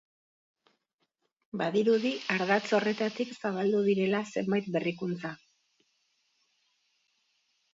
Badirudi ardatz horretatik zabaldu direla zenbait berrikuntza.